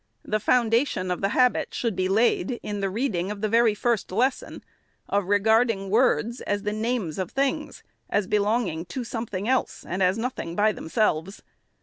The foun dation of the habit should be laid, in the reading of the very first lesson, of regarding words as the names of things ; as belonging to something else, and as nothing by themselves.